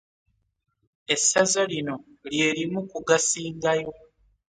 Essaza lino lye limu ku gasingayo.